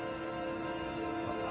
あっ。